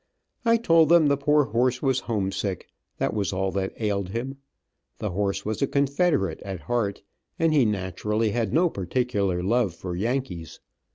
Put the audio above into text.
I told them the poor horse was homesick, that was all that ailed him. The horse was a Confederate at heart, and he naturally had no particular love for Yankees.